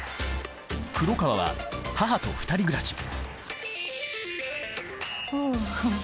黒川は母と２人暮らしああ。